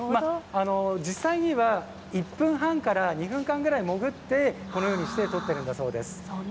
実際には、１分半から２分間ぐらい潜って、このようにして取っているんだそうです。